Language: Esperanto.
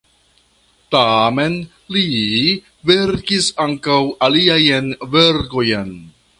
Tamen li verkis ankaŭ aliajn verkojn.